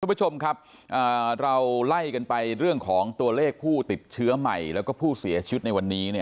คุณผู้ชมครับเราไล่กันไปเรื่องของตัวเลขผู้ติดเชื้อใหม่แล้วก็ผู้เสียชีวิตในวันนี้